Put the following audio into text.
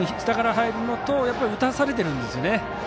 下から入るのとやっぱり打たされているんですね。